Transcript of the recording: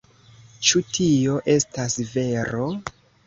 Ĉu tio estas vero?